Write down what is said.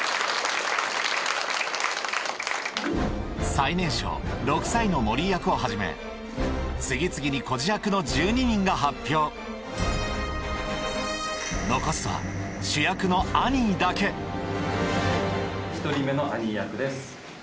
最年少６歳のモリー役をはじめ次々に孤児役の１２人が発表残すは主役の１人目のアニー役です。